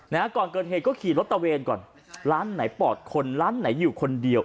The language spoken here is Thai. นะฮะก่อนเกิดเหตุก็ขี่รถตะเวนก่อนร้านไหนปอดคนร้านไหนอยู่คนเดียว